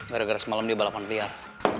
gara gara semalam dia balapan liar